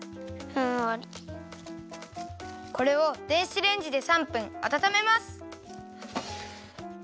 これを電子レンジで３分あたためます。